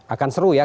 akan seru ya